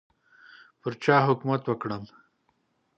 پر چا حکومت وکړم.